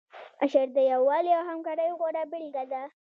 اشر د یووالي او همکارۍ غوره بیلګه ده.